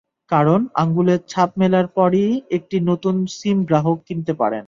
কারণ আঙুলের ছাপ মেলার পরই একটি নতুন সিম গ্রাহক কিনতে পারেন।